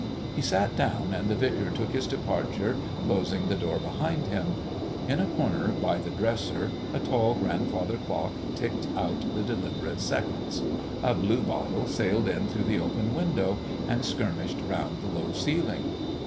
He sat down, and the vicar took his departure, closing the door behind him. In a corner by the dresser a tall grandfather clock ticked out the deliberate seconds; a bluebottle sailed in through the open window and skirmished round the low ceiling.